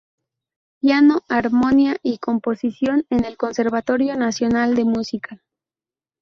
Piano, Armonía y composición en el Conservatorio Nacional de Música.